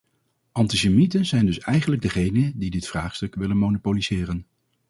Antisemieten zijn dus eigenlijk degenen die dit vraagstuk willen monopoliseren.